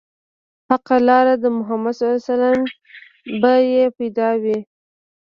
حقه لار د محمد ص به يې پيدا وي